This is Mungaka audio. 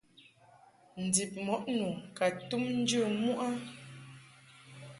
Ndib mɔʼ nu ka tum njə muʼ a.